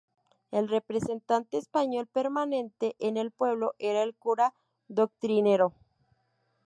El representante español permanente en el pueblo era el cura doctrinero.